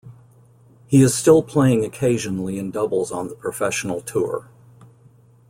He is still playing occasionally in doubles on the professional tour.